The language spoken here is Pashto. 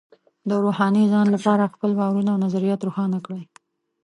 د روحاني ځان لپاره خپل باورونه او نظریات روښانه کړئ.